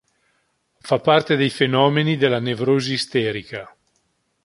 Fa parte dei fenomeni della nevrosi isterica.